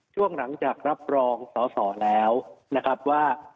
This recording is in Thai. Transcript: ช่วงหลังจากรับรองสอสอแล้วนะครับว่า